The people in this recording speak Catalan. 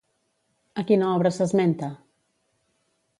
A quina obra s'esmenta?